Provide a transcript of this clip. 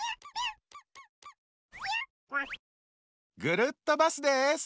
ぐるっとバスです。